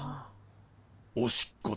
おしっこだ。